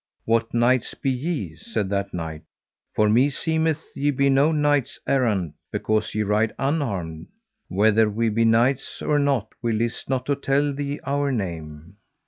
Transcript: What knights be ye? said that knight, for meseemeth ye be no knights errant, because ye ride unarmed. Whether we be knights or not we list not to tell thee our name.